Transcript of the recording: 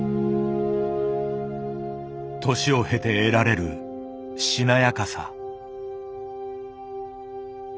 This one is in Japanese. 年を経て得られるしなやかさ。